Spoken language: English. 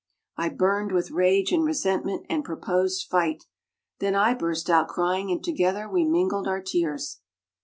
I burned with rage and resentment and proposed fight; then I burst out crying and together we mingled our tears.